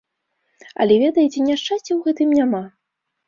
Але, ведаеце, няшчасця ў тым няма.